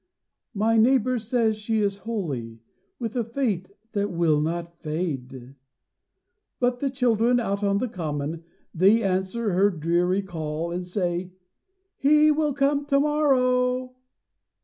My neighbour says she is holy, With a faith that will not fade. But the children out on the common They answer her dreary call, And say: "He will come to morrow!"